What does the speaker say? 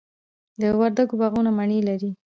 د وردګو باغونه مڼې دي